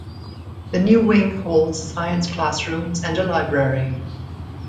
The new wing holds science classrooms and a library.